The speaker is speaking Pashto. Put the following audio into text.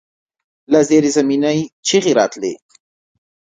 له زيرزمينې چيغې راتلې.